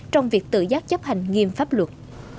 trong việc tự giác chấp hành nghiêm pháp luật